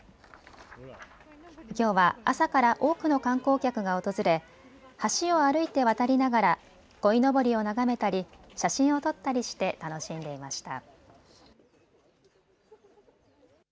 きょうは朝から多くの観光客が訪れ橋を歩いて渡りながらこいのぼりを眺めたり写真を撮ったりして楽しんでいました。